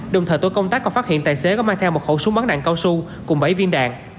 đồng thời tội công tác còn phát hiện tài xế có mang theo một hộ súng bắn nạn cao su cùng bảy viên đạn